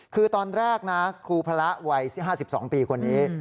คือตอนแรกนะครูพระวัย๕๒ปีคนนี้